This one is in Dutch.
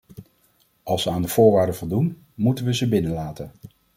Als ze aan de voorwaarden voldoen, moeten we ze binnenlaten.